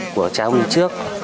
của cha ông trước